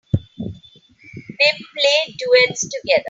They play duets together.